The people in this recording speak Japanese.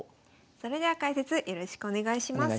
それでは解説よろしくお願いします。